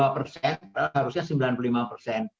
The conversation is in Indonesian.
enam puluh dua persen harusnya sembilan puluh lima persen